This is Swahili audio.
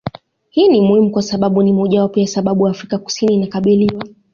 Hii ni muhimu kwa sababu ni mojawapo ya sababu Afrika kusini inakabiliwa